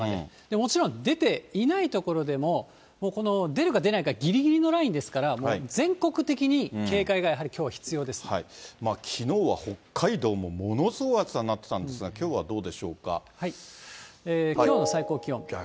もちろん出ていない所でも、この出るか出ないかぎりぎりのラインですから、もう全国的に警戒がききのうは北海道もものすごい暑さになってたんですが、きょうはどうでしょうか。